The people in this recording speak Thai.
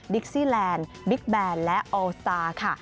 ดิกซี่แลนด์บิ๊กแบนด์และออลสตาร์ค่ะ